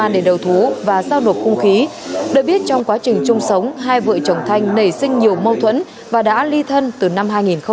được biết trong quá trình chung sống hai vợ chồng thanh nảy sinh nhiều mâu thuẫn và đã ly thân từ năm hai nghìn một mươi chín